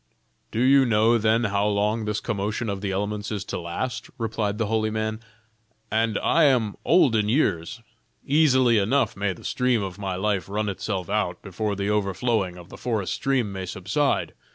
"Do you know then how long this commotion of the elements is to last?" replied the holy man. "And I am old in years. Easily enough may the stream of my life run itself out before the overflowing of the forest stream may subside.